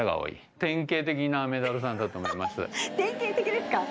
典型的ですか？